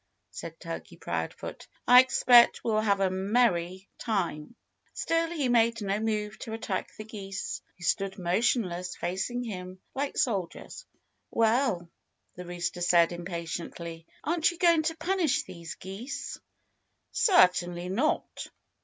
said Turkey Proudfoot. "I expect we'll have a merry time." Still he made no move to attack the geese, who stood motionless, facing him like soldiers. "Well!" the rooster said impatiently. "Aren't you going to punish these geese?" "Certainly not!"